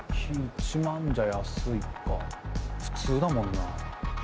普通だもんな。